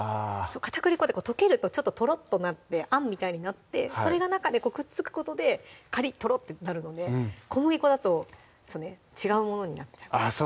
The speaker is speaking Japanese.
片栗粉って溶けるとちょっととろっとなってあんみたいになってそれが中でくっつくことでカリッとろってなるので小麦粉だと違うものになっちゃうあっ